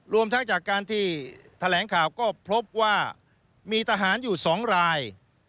รวมทั้งจากการที่แถลงข่าวก็พบว่ามีทหารอยู่๒ราย